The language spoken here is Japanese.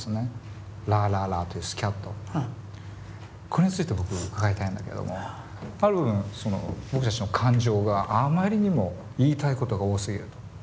これについて僕伺いたいんだけども多分その僕たちの感情があまりにも言いたいことが多すぎると。